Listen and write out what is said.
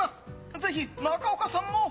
ぜひ中岡さんも！